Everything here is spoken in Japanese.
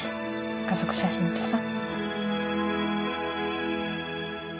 家族写真ってさ。